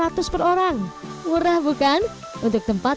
ya tapi saya ingin beri aliran air terjun